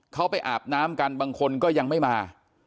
เขาไปอาบน้ำกันบางคนก็ยังไม่มา